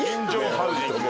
ハウジング。